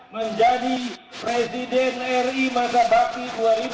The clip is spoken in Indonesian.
menjadi presiden ri masa baki dua ribu sembilan belas dua ribu dua puluh empat